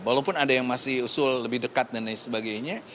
walaupun ada yang masih usul lebih dekat dan lain sebagainya